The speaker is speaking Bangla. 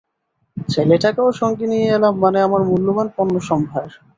ছেলেটাকেও সঙ্গে নিয়ে এলাম, মানে, আমার মূল্যবান পণ্যসম্ভার।